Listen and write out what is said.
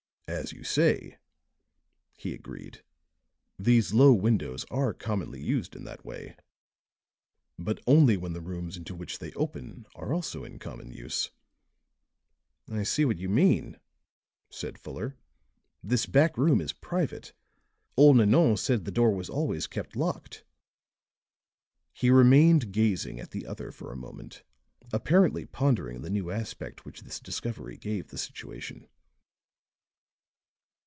"As you say," he agreed, "these low windows are commonly used in that way. But only when the rooms into which they open are also in common use." "I see what you mean," said Fuller. "This back room is private. Old Nanon said the door was always kept locked." He remained gazing at the other for a moment, apparently pondering the new aspect which this discovery gave the situation.